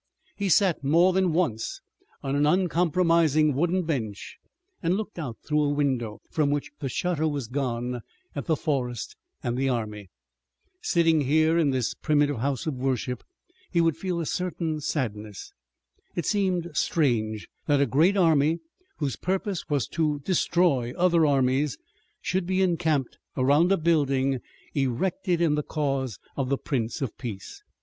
He sat more than once on an uncompromising wooden bench, and looked out through a window, from which the shutter was gone, at the forest and the army. Sitting here in this primitive house of worship, he would feel a certain sadness. It seemed strange that a great army, whose purpose was to destroy other armies, should be encamped around a building erected in the cause of the Prince of Peace.